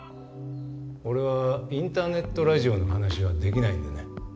俺はインターネットラジオの話はできないんでね。